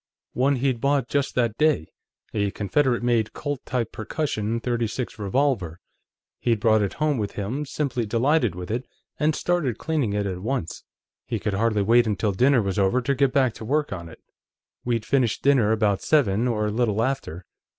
"One he'd bought just that day; a Confederate made Colt type percussion .36 revolver. He'd brought it home with him, simply delighted with it, and started cleaning it at once. He could hardly wait until dinner was over to get back to work on it. "We'd finished dinner about seven, or a little after.